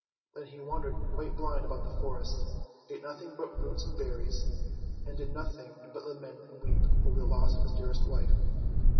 Then he wandered quite blind about the forest, ate nothing but roots and berries, and did nothing but lament and weep over the loss of his dearest wife.